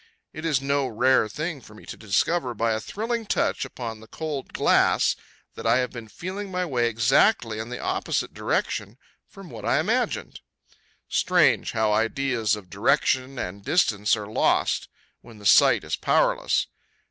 It is no rare thing for me to discover, by a thrilling touch upon the cold glass, that I have been feeling my way exactly in the opposite direction from what I imagined. Strange how ideas of direction and distance are lost when the sight is powerless!